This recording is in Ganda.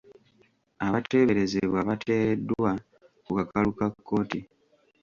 Abateeberezebwa bateereddwa ku kakalu ka kkooti.